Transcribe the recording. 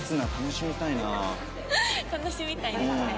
楽しみたいですね。